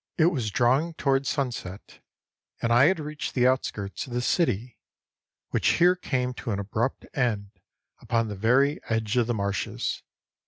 It was drawing towards sunset, and I had reached the outskirts of the city, which here came to an abrupt end upon the very edge of the marshes.